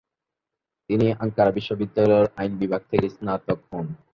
তিনি আঙ্কারা বিশ্ববিদ্যালয়ের আইন বিভাগ থেকে স্নাতক হন।